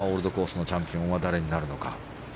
新たなオールドコースンのチャンピオンは誰になるのか。